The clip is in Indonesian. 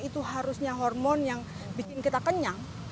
itu harusnya hormon yang bikin kita kenyang